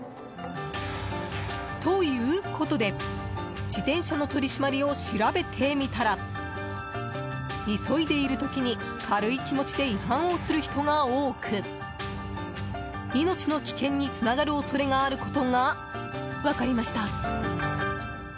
ということで、自転車の取り締まりを調べてみたら急いでいる時に軽い気持ちで違反をする人が多く命の危険につながる恐れがあることが分かりました。